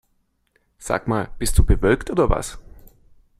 Sag mal, bist du bewölkt oder was?